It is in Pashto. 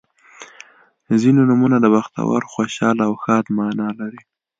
• ځینې نومونه د بختور، خوشحال او ښاد معنا لري.